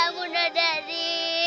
bangun bunda dari